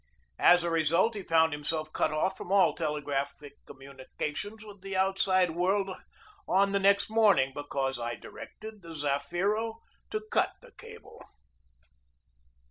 As a result he found himself cut off from all telegraphic communication with the outside world on the next morning, because I directed the Zafiro to cut the cable.